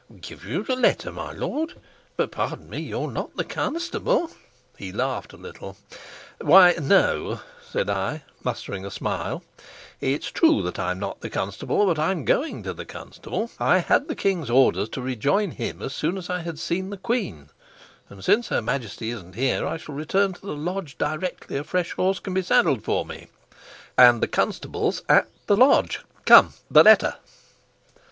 "Give you the letter, my lord? But, pardon me, you're not the constable." He laughed a little. "Why, no," said I, mustering a smile. "It's true that I'm not the constable, but I'm going to the constable. I had the king's orders to rejoin him as soon as I had seen the queen, and since her Majesty isn't here, I shall return to the lodge directly a fresh horse can be saddled for me. And the constable's at the lodge. Come, the letter!"